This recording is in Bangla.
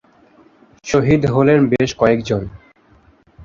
শহীদ হলেন বেশ কয়েকজন।